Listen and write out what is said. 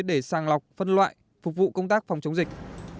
để sàng lọc phân loại phục vụ công tác phòng chống dịch